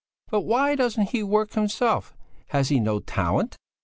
"But why doesn't he work himself? Has he no talent?"